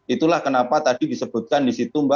itulah kenapa tadi disebutkan disitu